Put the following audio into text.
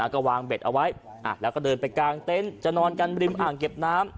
ก็วางเบ็ดเอาไว้แล้วก็เดินไปกางเต็นต์จะนอนกันริมอ่างเก็บน้ำ